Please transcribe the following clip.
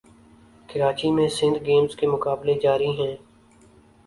کراچی میں سندھ گیمز کے مقابلے جاری ہیں